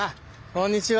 こんにちは。